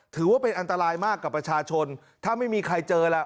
ถือว่าเป็นอันตรายมากกับประชาชนถ้าไม่มีใครเจอล่ะ